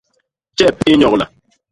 Tjep i nyogla.